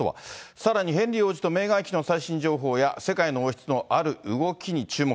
さらにヘンリー王子とメーガン妃の最新情報や、世界の王室のある動きに注目。